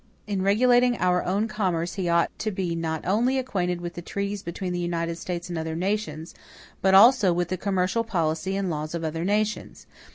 In regulating our own commerce he ought to be not only acquainted with the treaties between the United States and other nations, but also with the commercial policy and laws of other nations.